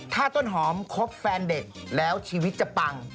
ถ้าต้นหอมคบแฟนเด็กแล้วชีวิตจะปัง